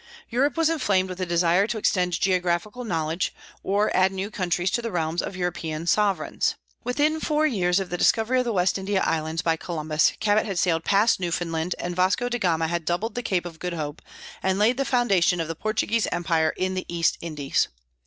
Europe was inflamed with a desire to extend geographical knowledge, or add new countries to the realms of European sovereigns. Within four years of the discovery of the West India Islands by Columbus, Cabot had sailed past Newfoundland, and Vasco da Gama had doubled the Cape of Good Hope, and laid the foundation of the Portuguese empire in the East Indies.